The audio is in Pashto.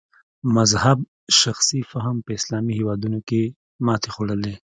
مذهب شخصي فهم په اسلامي هېوادونو کې ماتې خوړلې.